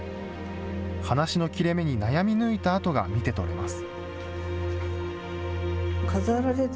話の切れ目に悩み抜いたあとが見て取れます。